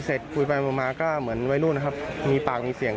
คุยไปคุยมาก็เหมือนวัยรุ่นนะครับมีปากมีเสียง